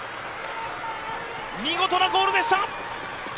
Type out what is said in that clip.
見事なゴールでした。